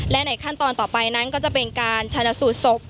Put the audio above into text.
และในขั้นตอนต่อไปนั้นก็จะเป็นการชนะสูตรศพ